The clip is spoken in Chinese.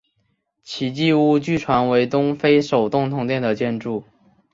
奇迹屋据传为东非首幢通电的建筑。